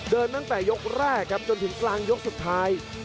เดินตั้งแต่ยกแรกจนถึงกลางยกสุดท้าย